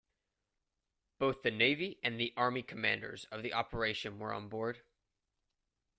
Both the navy and the army commanders of the operation were on board.